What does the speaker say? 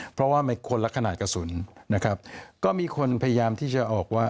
เพราะว่ามันคนละขนาดกระสุนนะครับก็มีคนพยายามที่จะออกว่า